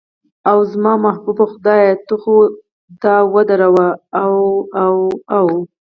اوه، زما محبوب خدایه ته خو دا ودروه، اوه اوه اوه.